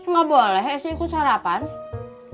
gak boleh esy ikut sarapan